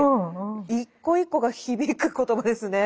一個一個が響く言葉ですねえ。